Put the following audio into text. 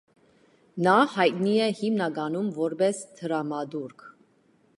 Նա հայտնի է հիմնականում որպես դրամատուրգ։